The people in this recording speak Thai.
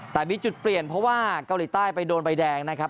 แต่มีจุดเปลี่ยนเพราะว่าเกาหลีใต้ไปโดนใบแดงนะครับ